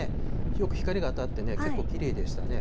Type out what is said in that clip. よく光が当たって、結構きれいでしたね。